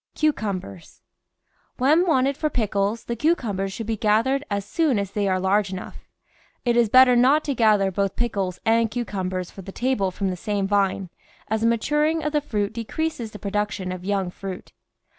CUCUMBERS When wanted for pickles the cucumbers should be gathered as soon as they are large enough. It is bet ter not to gather both pickles and cucumbers for the table from the same vine, as the maturing of the fruit decreases the production of young fruit.